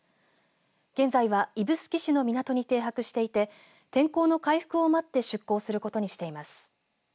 現在は指宿市の港に停泊していて天候の回復を待って出港することにしています。